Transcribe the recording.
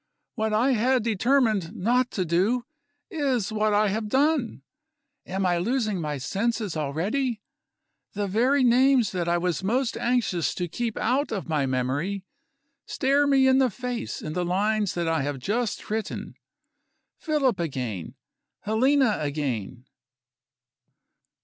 What I had determined not to do, is what I have done. Am I losing my senses already? The very names that I was most anxious to keep out of my memory stare me in the face in the lines that I have just written. Philip again! Helena again!